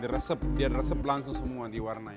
di resep dia resep langsung semua diwarnai